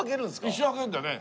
一生はけるんだよね？